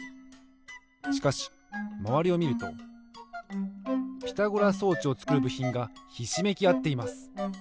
しかしまわりをみるとピタゴラ装置をつくるぶひんがひしめきあっています。